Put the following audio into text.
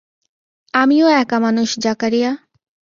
আমিও একা মানুষ জাকারিয়া।